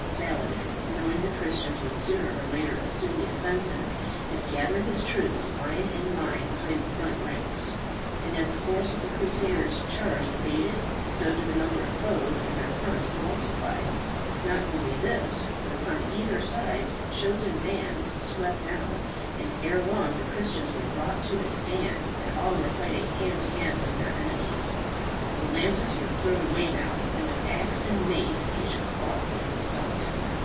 Saladin, knowing the Christians would sooner or later assume the offensive, had gathered his troops line in line behind the front ranks, and as the force of the crusaders' charge abated, so did the number of foes in their front multiply. Not only this, but upon either side chosen bands swept down, and ere long the Christians were brought to a stand, and all were fighting hand to hand with their enemies. The lances were thrown away now, and with axe and mace each fought for himself.